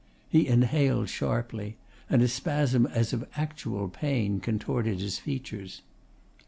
He inhaled sharply, and a spasm as of actual pain contorted his features.